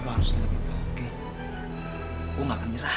lo harus lebih tuker